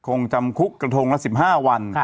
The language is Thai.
คงจำคุกกระทงละ๑๕วัน